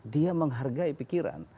dia menghargai pikiran